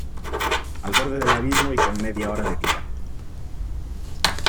al borde del abismo y con media hora de vida